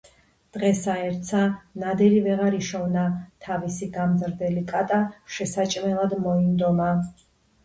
დღესა ერთსა ნადირი ვეღარ იშოვნა, თავისი გამზრდელი კატა შესაჭმელად მოინდომა.